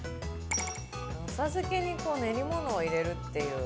浅漬けに練り物を入れるっていう。